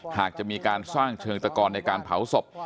หากจะมีการสร้างเชิงตะกอนในการเผาศพ